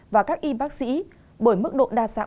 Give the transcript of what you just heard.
và các y bác sĩ bởi mức độ đa dạng